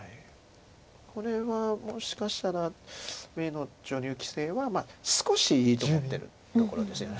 これはもしかしたら上野女流棋聖は少しいいと思ってるところですよね